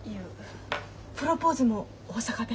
プロポーズも大阪弁？